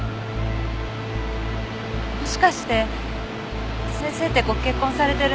もしかして先生ってご結婚されてるんですか？